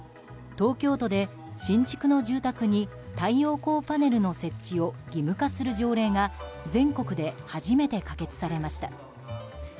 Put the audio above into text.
東京都で新築の住宅に太陽光パネルの設置を義務化する条例が全国で初めて可決されました。